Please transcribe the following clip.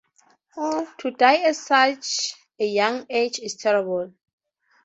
To die at such a young age is terrible.